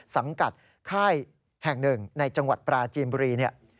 สังกัดค่ายแห่งหนึ่งในจังหวัดปราจีนบุรีเนี่ย